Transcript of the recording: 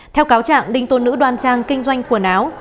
theo cáo trạng đinh tôn nữ đoan trang kinh doanh quần áo